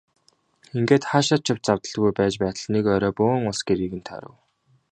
Ингээд хаашаа ч явж завдалгүй байж байтал нэг орой бөөн улс гэрийг нь тойров.